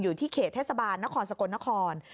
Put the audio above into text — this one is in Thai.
อยู่ที่เขตเทศบาลนครสกลนคร